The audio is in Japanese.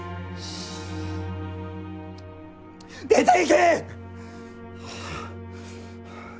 出ていけ！